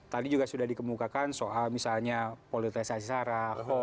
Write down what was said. tadi juga sudah dikemukakan soal misalnya politisasi sara